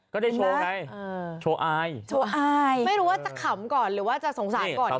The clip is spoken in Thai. ก็ได้โชว์ไงโชว์อายโชว์อายไม่รู้ว่าจะขำก่อนหรือว่าจะสงสารก่อน